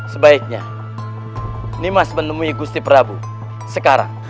sebaiknya nimas menemui gusti prabu sekarang